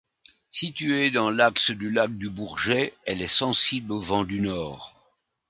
Située dans l'axe du lac du Bourget, elle est sensible au vent du Nord.